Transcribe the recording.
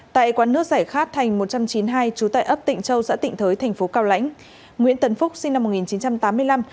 tại quán nước giải khát thành một trăm chín mươi hai trú tại ấp tịnh châu xã tịnh thới thành phố cao lãnh nguyễn tấn phúc sinh năm một nghìn chín trăm tám mươi năm